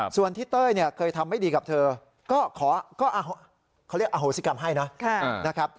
ส่วนที่เต้ยเคยทำไม่ดีกับเธอก็ขอเรียกอโหสิกรรมให้นะครับ